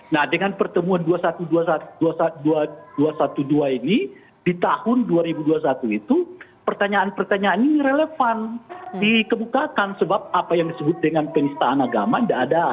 nah dengan pertemuan dua ratus dua belas ini di tahun dua ribu dua puluh satu itu pertanyaan pertanyaan ini relevan dikebukakan sebab apa yang disebut dengan penistaan agama tidak ada